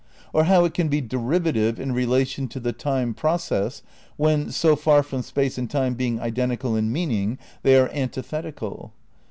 Or how it can be derivative "in relation to the time process" when, "so far from space and time being identical in meaning they are antithetical."